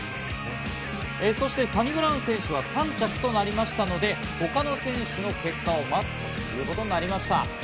そしてサニブラウン選手は３着となりましたので、他の選手の結果を待つということになりました。